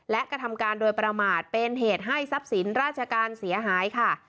และกระทำการโดยประมาทเป็นเหตุให้ทรัพย์สินราชการเสียหายค่ะ